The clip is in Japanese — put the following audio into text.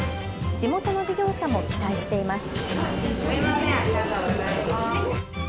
地元の事業者も期待しています。